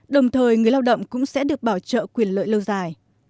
đồng thời người lao động cũng sẽ được bảo trợ quyền lợi lâu dài